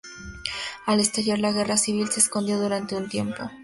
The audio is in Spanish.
Al estallar la guerra civil se escondió durante un tiempo.